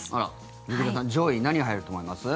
劇団さん上位、何が入ると思います？